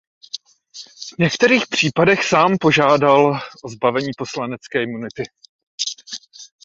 V některých případech sám požádal o zbavení poslanecké imunity.